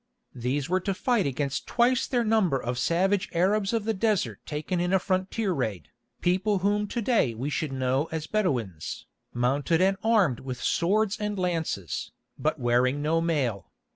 These were to fight against twice their number of savage Arabs of the desert taken in a frontier raid, people whom to day we should know as Bedouins, mounted and armed with swords and lances, but wearing no mail.